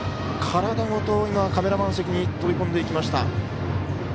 体ごと、カメラマン席に飛び込んでいきました。